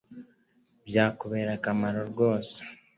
Bya kubera akamaro rwose